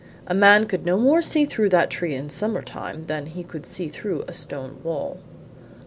A man could no more see through that tree in summer time than he could see through a stone wall."